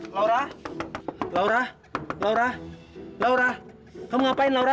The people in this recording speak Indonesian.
laura laura laurah laura kamu ngapain laura